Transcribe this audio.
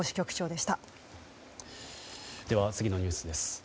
では次のニュースです。